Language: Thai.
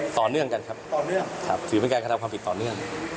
ต่อเนื่องกันครับหรือเป็นการกระทำความผิดต่อเนื่อง